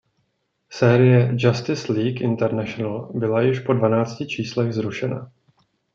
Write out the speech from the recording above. Série "Justice League International" byla již po dvanácti číslech zrušena.